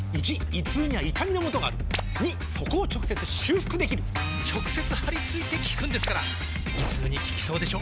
①胃痛には痛みのもとがある②そこを直接修復できる直接貼り付いて効くんですから胃痛に効きそうでしょ？